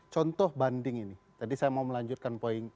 contoh banding ini tadi saya mau melanjutkan poin